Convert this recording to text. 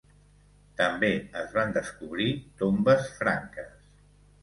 També es van descobrir tombes franques.